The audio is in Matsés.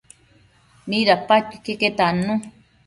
Midapadquio iqueque tannu